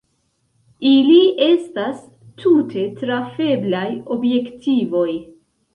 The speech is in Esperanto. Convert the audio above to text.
Ili estas tute trafeblaj objektivoj.